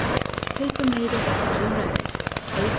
[PAPER MADE OF COTTON RAGS A.